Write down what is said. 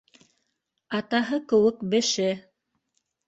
Атаһы кеүек беше.